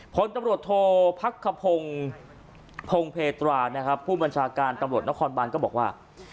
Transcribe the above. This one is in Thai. ผลตำรวจโทษพักขพงศ์พงเพตรานะครับผู้บัญชาการตำรวจนครบานก็บอกว่า